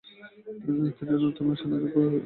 তিনি অন্যতম বিখ্যাত সেনাধ্যক্ষ ও সেনাপতি।